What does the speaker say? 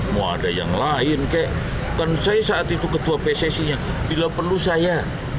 mau ada yang lain kek kan saya saat itu ketua pssi nya bila perlu saya